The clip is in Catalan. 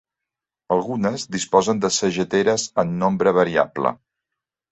Algunes disposen de sageteres, en nombre variable.